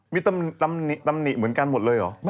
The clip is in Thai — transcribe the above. มีตำหนิเหมือนกันหมดเลยหรอ